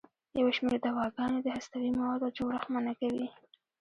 یو شمېر دواګانې د هستوي موادو جوړښت منع کوي.